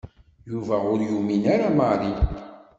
Yuba ur yumin ara Mary.